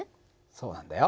そうなんだよ。